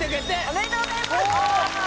おめでとうございます！